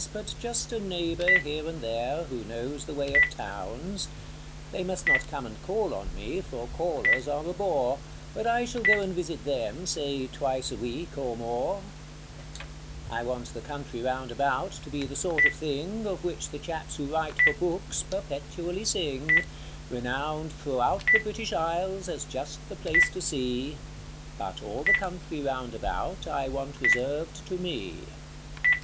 But just a neighbour here and there who knows the way of towns. They must not* come and call on me, for callers are a bore, But I shall go and visit them say twice a week or MY SUMMER RETREAT 137 I want the country round about to be the sort of thing Of which the chaps who write for books perpetually sing Renowned throughout the British Isles as just the place to see ; But all the country round about I want reserved to me.